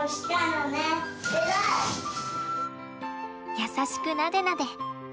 優しくなでなで。